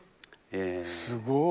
すごい。